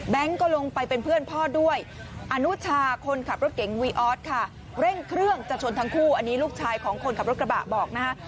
ก็ลงไปเป็นเพื่อนพ่อด้วยอนุชาคนขับรถเก๋งวีออสค่ะเร่งเครื่องจะชนทั้งคู่อันนี้ลูกชายของคนขับรถกระบะบอกนะฮะ